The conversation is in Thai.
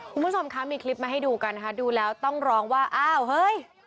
คุณผู้ชมคะมีคลิปมาให้ดูกันนะคะดูแล้วต้องร้องว่าอ้าวเฮ้ย